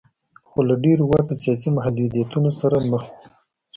خو له ډېرو ورته سیاسي محدودیتونو سره مخ و.